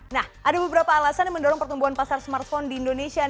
nah ada beberapa alasan yang mendorong pertumbuhan pasar smartphone di indonesia